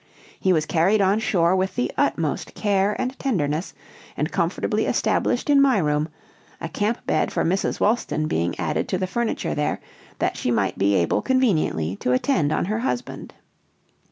He was carried on shore with the utmost care and tenderness, and comfortably established in my room, a camp bed for Mrs. Wolston being added to the furniture there, that she might be able conveniently to attend on her husband.